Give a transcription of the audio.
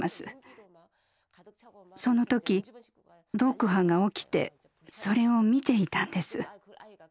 その時ドクハが起きてそれを見ていたんです。